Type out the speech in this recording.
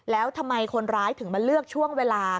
แล้วทำไมคนร้ายถึงมาเลือกช่วงเวลา